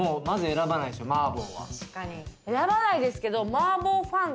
選ばないですけど。